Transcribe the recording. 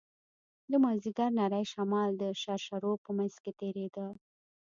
د مازديګر نرى شمال د شرشرو په منځ کښې تېرېده.